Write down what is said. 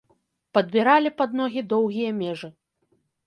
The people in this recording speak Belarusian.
Падбіралі пад ногі доўгія межы.